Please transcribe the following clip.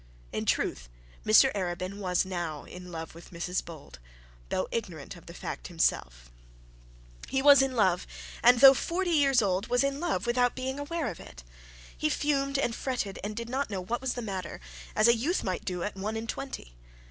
In truth Mr Arabin was now in love with Mrs Bold, though ignorant of the fact himself. He was in love, and, though forty years old, was in love without being aware of it. He fumed and fretted, and did not know what was the matter, as a youth might do at one and twenty.